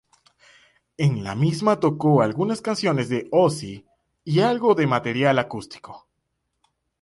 En la misma tocó algunas canciones de Ozzy y algo de material acústico.